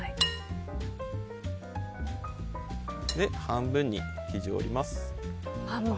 半分に生地を折ります。